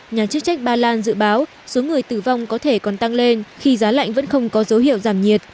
nhà chức trách ba lan dự báo số người tử vong có thể còn tăng lên khi giá lạnh vẫn không có dấu hiệu giảm nhiệt